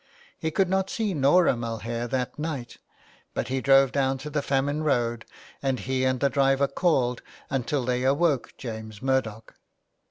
He could not see Norah Mulhare that night ; but he drove down to the famine road, and he and the driver called till they awoke James Murdoch.